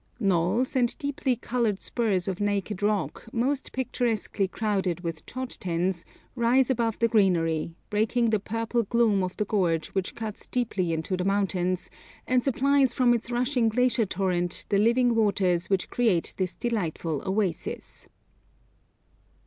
Knolls, and deeply coloured spurs of naked rock, most picturesquely crowded with chod tens, rise above the greenery, breaking the purple gloom of the gorge which cuts deeply into the mountains, and supplies from its rushing glacier torrent the living waters which create this delightful oasis.